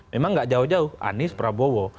memang gak jauh jauh anies prabowo